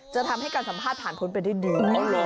จะทำให้การสัมภาษณ์ผ่านพ้นไปด้วยดี